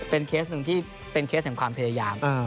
เคสหนึ่งที่เป็นเคสแห่งความพยายาม